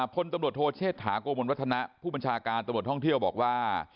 พลตำรวจโทเชษฐาโกมลวัฒนะผู้บัญชาการตำรวจท่องเที่ยวบอกว่า